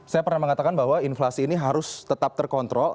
saya pernah mengatakan bahwa inflasi ini harus tetap terkontrol